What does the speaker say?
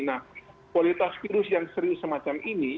nah kualitas virus yang serius semacam ini